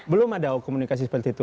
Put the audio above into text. belum ada komunikasi seperti itu